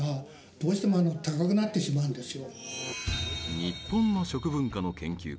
日本の食文化の研究家